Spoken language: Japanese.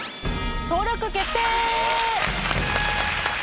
登録決定！